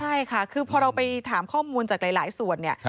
ใช่ค่ะคือพอเราไปถามข้อมูลจากหลายส่วนเนี่ย